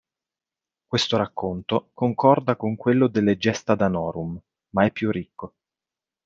Questo racconto concorda con quello delle "Gesta Danorum", ma è più ricco.